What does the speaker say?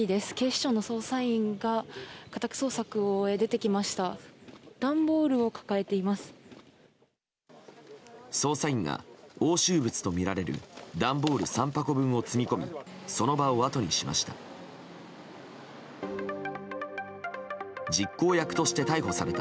捜査員が押収物とみられる段ボール３箱分を積み込みその場をあとにしました。